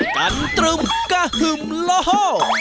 กันตรึมกะหึ่มละโฮ